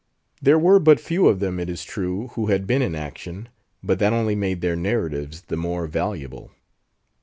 There were but few of them, it is true, who had been in action; but that only made their narratives the more valuable.